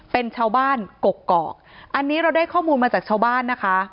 เป็นชาวบ้านกกอกอันนี้เราได้ข้อมูลมาจากชาวบ้านนะคะ